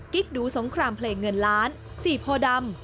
กดูสงครามเพลงเงินล้านสี่โพดำ